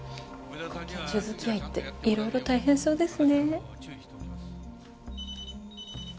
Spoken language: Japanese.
ご近所付き合いっていろいろ大変そうですね。